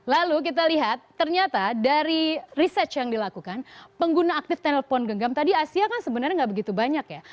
lalu kita lihat ternyata dari research yang dilakukan pengguna aktif telepon genggam tadi asia kan sebenarnya nggak begitu banyak ya